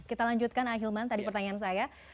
kita lanjutkan ahilman tadi pertanyaan saya